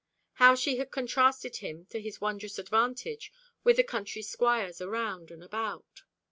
How she had contrasted him, to his wondrous advantage, with the country squires around and about.